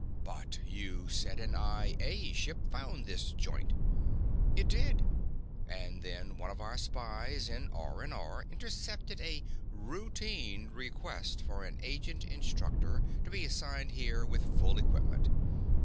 "But you said an I A ship found this joint." "It did. And then one of our spies in R&R intercepted a routine request for an agent instructor to be assigned here with full equipment.